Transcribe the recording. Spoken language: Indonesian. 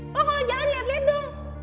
lo kalo jalan liat liat dong